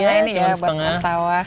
cuman setengah ini ya buat mas tawa